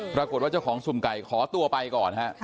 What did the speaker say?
ปรากฏว่าเจ้าของสุ่มไก่ขอตัวไปก่อนฮะ